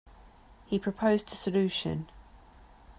He proposed a solution.